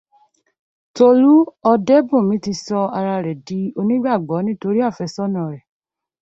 Tolú Ọdẹ́bùnmi ti sọ ara rẹ̀ di onígbàgbọ́ nítorí àfẹ́sọ́nà ẹ̀